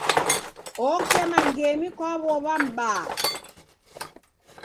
Okema ngemi kwa w'ow'a m'baa.